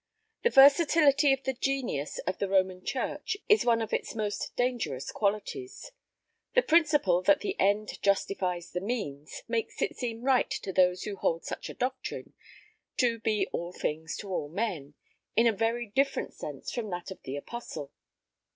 The versatility of the genius of the Roman church is one of its most dangerous qualities. The principle that the end justifies the means, makes it seem right to those who hold such a doctrine, to 'be all things to all men,' in a very different sense from that of the apostle.